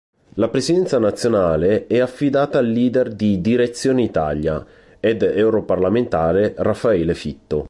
La presidenza nazionale è affidata al leader di Direzione Italia ed europarlamentare, Raffaele Fitto.